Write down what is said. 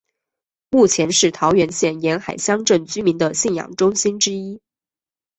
目前是桃园县沿海乡镇居民的信仰中心之一。